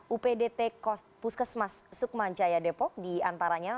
updt puskesmas sukmanjaya depok diantaranya